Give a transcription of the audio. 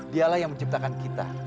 dialah yang menciptakan kita